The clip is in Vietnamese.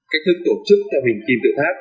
cách thức tổ chức theo hình kìm tự thác